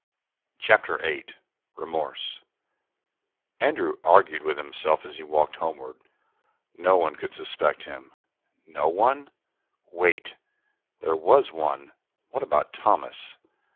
CHAPTER VIII REMORSE Andrew argued with himself as he walked homeward. No one could suspect him. No one? Wait! There was one. What about Thomas?